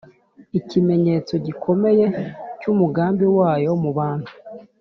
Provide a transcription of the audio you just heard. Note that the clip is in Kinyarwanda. ikimenyetso gikomeye cy’umugambi wayo mu bantu